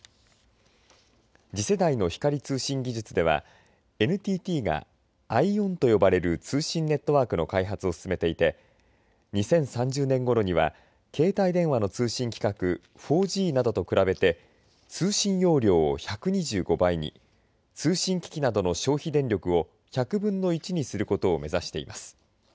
次世代の光通信技術ではＮＴＴがＩＯＷＮと呼ばれる通信ネットワークの開発を進めていて２０３０年ごろには携帯電話の通信規格４Ｇなどと比べて通信容量を１２５倍に通信機器などの消費電力を１００分の１にすることを目指しています。